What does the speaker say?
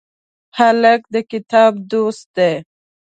هلک د کتاب دوست دی.